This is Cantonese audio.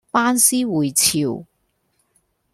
班師回朝